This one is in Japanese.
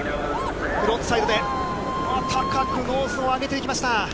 フロントサイドで、高くノーズを上げていきました。